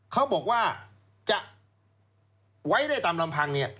เขาบอกว่าจะไว้ในตามลำพัง